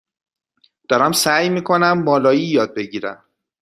دارم سعی می کنم مالایی یاد بگیرم.